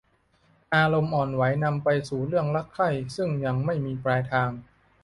อารมณ์อ่อนไหวนำไปสู่เรื่องรักใคร่ซึ่งยังไม่มีปลายทาง